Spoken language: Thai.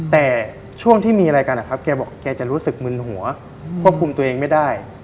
แต่ช่วงที่มีอะไรกันนะครับแกบอกแกจะรู้สึกมึนหัวควบคุมตัวเองไม่ได้